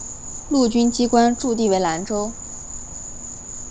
陆军机关驻地为兰州。